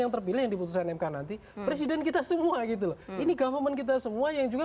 terpilih diputuskan mekan nanti presiden kita semua gitu ini government kita semua yang juga